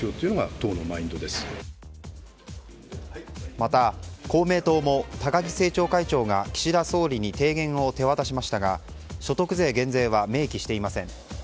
また、公明党も高木政調会長が岸田総理に提言を手渡しましたが所得税減税は明記していません。